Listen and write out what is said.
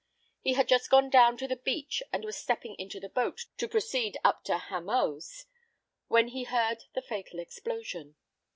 He had just gone down to the beach and was stepping into the boat to proceed up to Hamoaze, when he heard the fatal explosion.